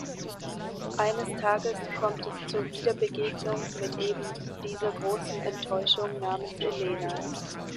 Eines Tages kommt es zur Wiederbegegnung mit eben dieser großen Enttäuschung namens Elena.